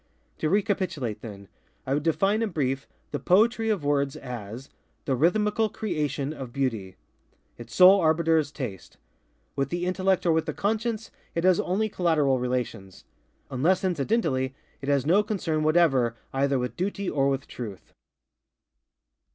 To recapitulate then:ŌĆöI would define, in brief, the Poetry of words as _The Rhythmical Creation of Beauty. _Its sole arbiter is Taste. With the Intellect or with the Conscience it has only collateral relations. Unless incidentally, it has no concern whatever either with Duty or with Truth.